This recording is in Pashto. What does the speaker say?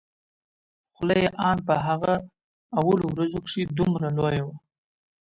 خوله يې ان په هغه اولو ورځو کښې دومره لويه وه.